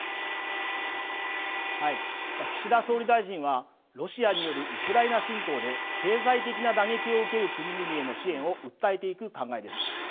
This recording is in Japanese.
岸田総理大臣は、ロシアによるウクライナ侵攻で経済的な打撃を受ける国々への支援を訴えていく考えです。